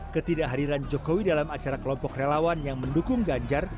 ketidakhadiran jokowi dalam acara kelompok relawan yang mendukung ganjar